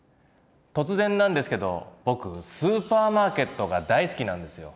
突然なんですけど僕スーパーマーケットが大好きなんですよ。